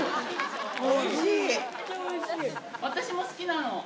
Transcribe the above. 私も好きなの。